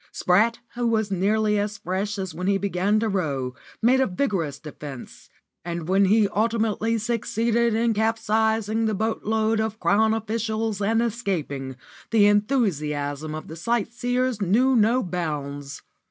Spratt, who was nearly as fresh as when he began to row, made a vigorous defence, and when he ultimately succeeded in capsizing the boatload of Crown officials and escaping, the enthusiasm of the sightseers knew no bounds.